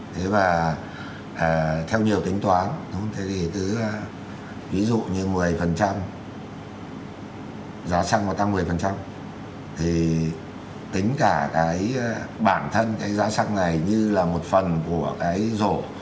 thế và theo nhiều tính toán thế thì cứ ví dụ như một mươi giá xăng mà tăng một mươi thì tính cả cái bản thân cái giá xăng này như là một phần của cái rổ